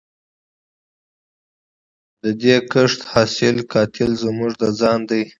د دې کښت حاصل قاتل زموږ د ځان دی